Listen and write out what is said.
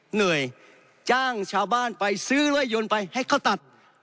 เหนื่อยจ้างชาวบ้านไปซื้อเรือยนไปให้เขาตัด